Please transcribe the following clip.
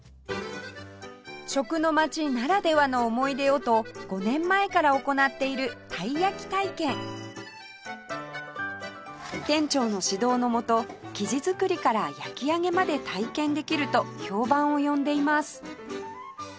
食の街ならではの思い出をと５年前から行っているたい焼き体験店長の指導の下生地作りから焼き上げまで体験できると評判を呼んでいます